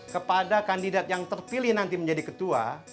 kepada kandidat yang terpilih nanti menjadi ketua